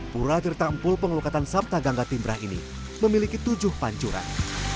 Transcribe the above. purwadirtampul penglukatan sabta gangga timbrah ini memiliki tujuh pancuran